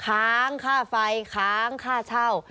ค้างค่าไฟค้างค่าเช่า